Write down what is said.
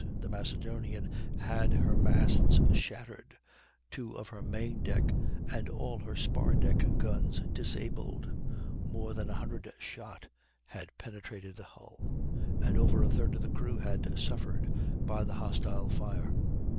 The Macedonian had her masts shattered, two of her main deck and all her spar deck guns disabled; more than a hundred shot had penetrated the hull, and over a third of the crew had suffered by the hostile fire.